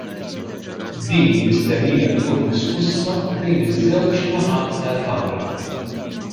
Din mistennija tkun diskussa bejn iż-żewġ naħat tal-kamra.